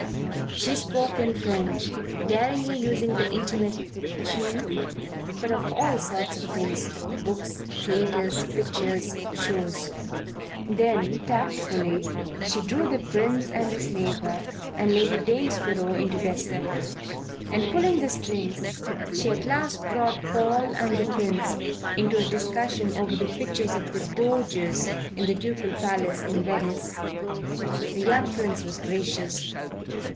She spoke in French, daringly using the intimate "tu"; but of all sorts of things books, theatres, picture shows. Then tactfully she drew the Prince and his neighbour and Lady Danesborough into their circle, and, pulling the strings, she at last brought Paul and the Prince into a discussion over the pictures of the Doges in the Ducal Palace in Venice. The young Prince was gracious.